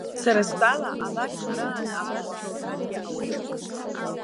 Сара стәала, абарҭқәа раан абасшәа уҳәаргьы ауеит.